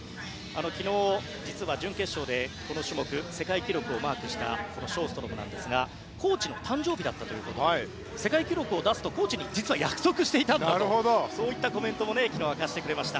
昨日、実は準決勝でこの種目世界記録をマークしたショーストロムなんですがコーチの誕生日だったということで世界記録を出すとコーチに実は約束をしていたんだとそういったコメントも昨日明かしてくれました。